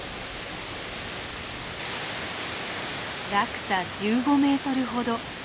落差１５メートルほど。